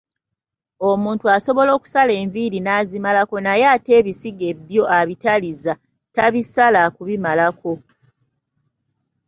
"Omuntu asobola okusala enviiri n’azimalako naye ate ebisige byo abitaliza, tabisala kubimalako."